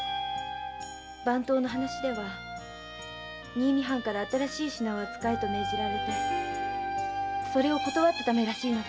番頭の話では新見藩から新しい品を扱えと命じられてそれを断ったためらしいのです。